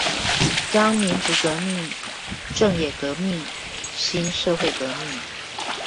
將民族革命、政冶革命興社會革命